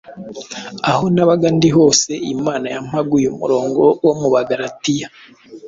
aho nabaga ndi hose Imana yampaga uyu murongo wo mu Bagaratiya